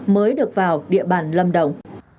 mới được vào địa bàn lâm đồng